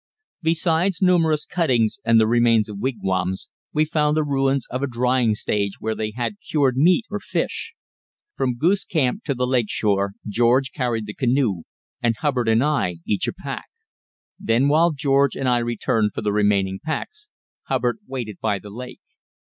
Besides numerous cuttings and the remains of wigwams, we found the ruins of a drying stage where they had cured meat or fish. From Goose Camp to the lake shore George carried the canoe, and Hubbard and I each a pack. Then while George and I returned for the remaining packs, Hubbard waited by the lake.